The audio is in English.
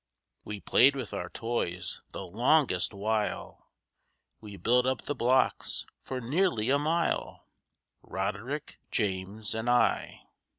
We played with our toys the longest while! We built up the blocks for nearly a mile,— Roderick, James and I.